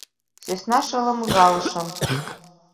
Сӧсна шылым ужалышым...